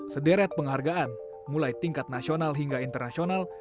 sederet penghargaan mulai tingkat nasional hingga internasional